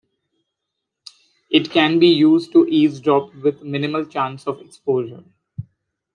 It can be used to eavesdrop with minimal chance of exposure.